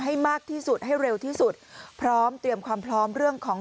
ให้มากที่สุดให้เร็วที่สุดพร้อมเตรียมความพร้อมเรื่องของ